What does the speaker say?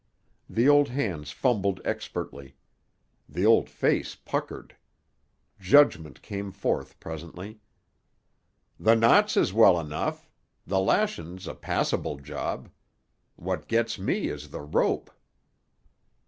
The old hands fumbled expertly. The old face puckered. Judgment came forth presently. "The knots is well enough. The lashin's a passable job. What gits me is the rope."